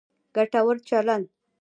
ګټور چلند